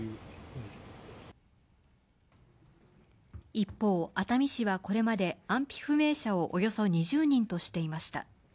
一方、熱海市はこれまで安否不明者をおよそ２０人としていました。